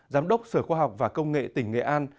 giám đốc sở khoa học và công nghệ tỉnh nghệ an